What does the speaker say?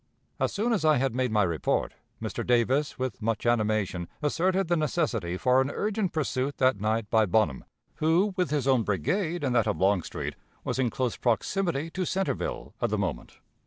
"As soon as I had made my report, Mr. Davis with much animation asserted the necessity for an urgent pursuit that night by Bonham, who, with his own brigade and that of Longstreet, was in close proximity to Centreville at the moment.